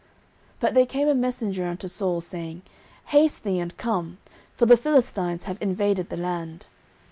09:023:027 But there came a messenger unto Saul, saying, Haste thee, and come; for the Philistines have invaded the land.